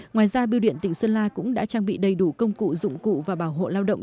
ngoài ra biêu điện tỉnh sơn la cũng đã trang bị đầy đủ công cụ dụng cụ và bảo hộ lao động